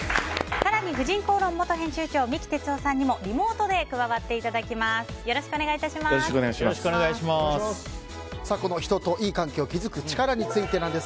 更に「婦人公論」元編集長三木哲男さんにもリモートで加わっていただきます。